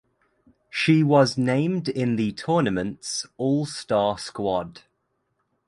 She was named in the Tournaments All Star squad.